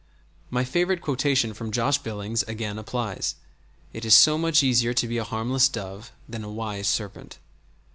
My favorite quotation from Josh Billings again applies: It is so much easier to be a harmless dove than a wise serpent.